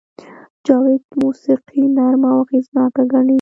جاوید موسیقي نرمه او اغېزناکه ګڼي